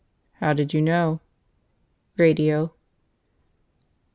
"How did you know?" "Radio."